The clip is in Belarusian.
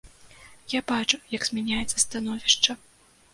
Я бачу, як змяняецца становішча.